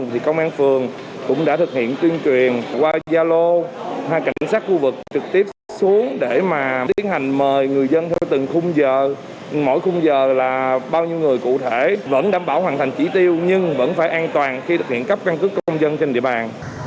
và bao nhiêu người cụ thể vẫn đảm bảo hoàn thành chỉ tiêu nhưng vẫn phải an toàn khi thực hiện cấp căn cứ công dân trên địa bàn